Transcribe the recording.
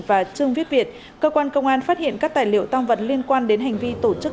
và trương viết việt cơ quan công an phát hiện các tài liệu tăng vật liên quan đến hành vi tổ chức